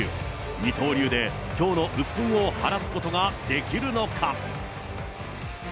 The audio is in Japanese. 二刀流できょうのうっぷんを晴らすことができるのか。